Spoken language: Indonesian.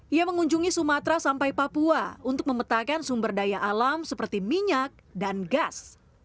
ia mengunjungi sumatera sampai papua untuk memetakan sumber daya alam seperti minyak dan gas